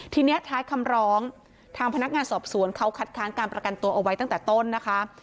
ทีนี้ท้ายคำร้องทางพนักงานสอบสวนเขาคัดค้านการประกันตัวเอาไว้ตั้งแต่ต้นนะคะ